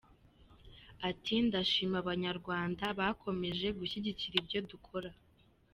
Ati “Ndashima abanyarwanda bakomeje gushyigikira ibyo dukora.